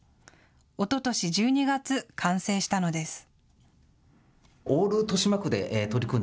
おととし１２月、完成したのです。